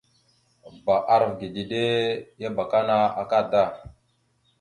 « Bba arav ge dide ya abakana akada! ».